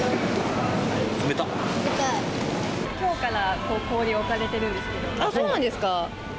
きょうから氷置かれてるんですけどそうなんですか。